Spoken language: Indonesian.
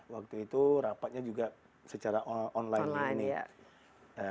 waktu itu rapatnya juga secara online